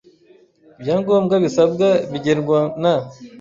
Ibya ngombwa bisabwa bigenwa na